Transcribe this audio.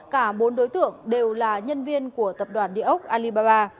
cả bốn đối tượng đều là nhân viên của tập đoàn địa ốc alibaba